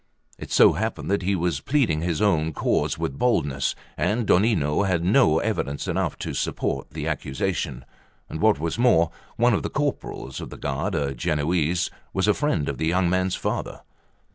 It so happened that he was pleading his own cause with boldness, and Donnino had not evidence enough to support the accusation; and what was more, one of the corporals of the guard, a Genoese, was a friend of the young man's father.